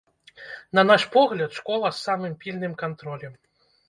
На наш погляд, школа з самым пільным кантролем.